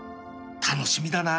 楽しみだな